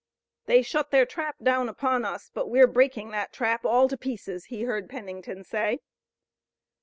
"They shut their trap down upon us, but we're breaking that trap all to pieces," he heard Pennington say.